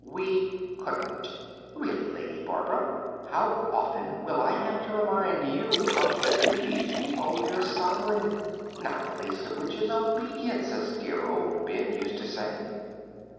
"We couldn't. Really, Lady Barbara, how often will I have to remind you of the duties you owe your sovereign not the least of which is obedience, as dear old Ben used to say."